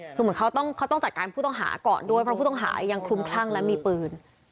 คือเหมือนเขาต้องจัดการผู้ต้องหาก่อนด้วยเพราะผู้ต้องหายังคลุมคลั่งและมีปืน